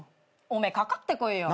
おめえかかってこいよ。